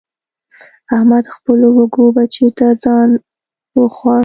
احمد خپلو وږو بچو ته ځان وخوړ.